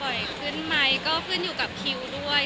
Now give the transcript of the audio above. ขึ้นไหมก็ขึ้นอยู่กับคิวด้วย